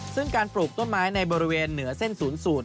ซึ่งการปลูกต้นไม้ในบริเวณเหนือเส้นศูนย์สูตร